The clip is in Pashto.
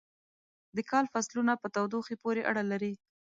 د کال فصلونه په تودوخې پورې اړه لري.